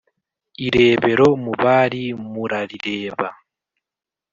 irebero mu bali murarireba